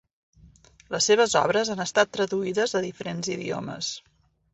Les seves obres han estat traduïdes a diferents idiomes.